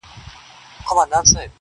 اوس مي د زړه زړگى په وينو ســور دى.